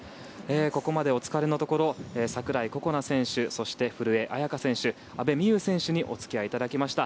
ここまでお疲れのところ櫻井心那選手、古江彩佳選手阿部未悠選手にお付き合いいただきました。